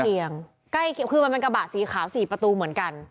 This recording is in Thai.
ใกล้เคียงคือมันเป็นกระบะสีขาวสี่ประตูเหมือนกัน